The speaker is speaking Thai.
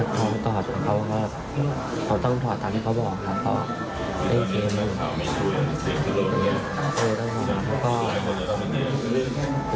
ก็ถัดคืนครับตอนนั้นยูทรป๖ใช่จบป๖แล้ว